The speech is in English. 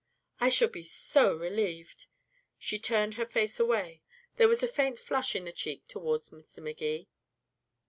"I shall be so relieved." She turned her face away, there was a faint flush in the cheek toward Mr. Magee.